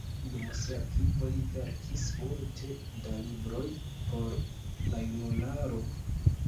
Dum sia vivo li verkis multe da libroj por la junularo.